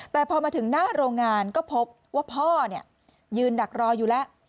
แต่พอมาถึงหน้าโรงงานก็พบว่าพ่อยืนดักรออยู่แล้ว